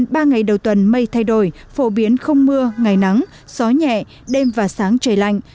ba ngày đầu tuần mây thay đổi phổ biến không mưa ngày nắng gió nhẹ đêm và sáng trời lạnh